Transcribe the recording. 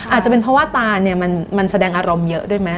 อาจจะเป็นเพราะว่าตาเนี่ยมันแสดงอารมณ์เยอะด้วยไหม